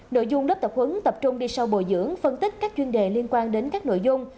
nội dung lớp tập huấn tập trung đi sâu bồi dưỡng phân tích các chuyên đề liên quan đến các nội dung